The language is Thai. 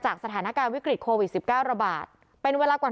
จากสถานการณ์วิกฤตโควิสสิบเก้าระบาดเป็นเวลากว่า